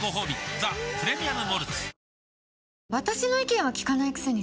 「ザ・プレミアム・モルツ」